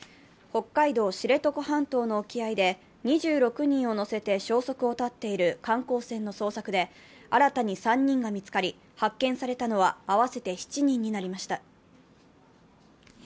北海道知床半島の沖合で２６人を乗せて消息を絶っている観光船の捜索で新たに３人が見つかり、発見されたのは合わせて７人になりました。